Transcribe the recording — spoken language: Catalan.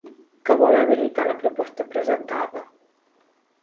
Què vol habilitar la proposta presentada?